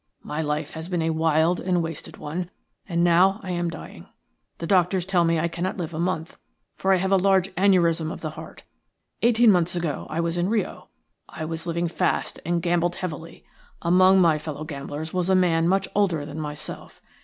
My life has been a wild and wasted one, and now I am dying. The doctors tell me I cannot live a month, for I have a large aneurism of the heart. Eighteen months ago I was in Rio. I was living fast and gambled heavily. Among my fellow gamblers was a man much older than myself.